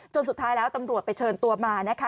สุดท้ายแล้วตำรวจไปเชิญตัวมานะคะ